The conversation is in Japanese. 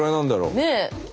ねえ。